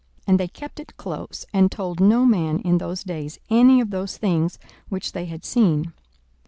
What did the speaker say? And they kept it close, and told no man in those days any of those things which they had seen.